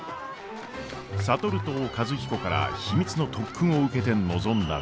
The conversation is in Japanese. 智と和彦から秘密の特訓を受けて臨んだ歌子。